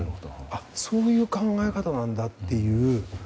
そういう考え方なんだっていう。